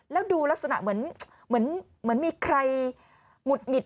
แล้วดูลักษณะเหมือนมีใครหงุดหงิด